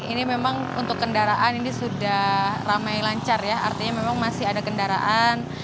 ini memang untuk kendaraan ini sudah ramai lancar ya artinya memang masih ada kendaraan